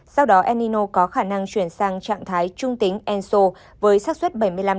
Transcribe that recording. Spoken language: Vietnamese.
sau đó enino có khả năng chuyển sang trạng thái trung tính enso với sát xuất bảy mươi năm